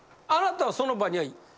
あなたはその場には。